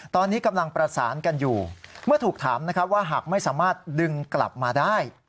ตอนนี้กำลังประสานกันอยู่เมื่อถูกถามนะครับว่าหากไม่สามารถดึงกลับมาได้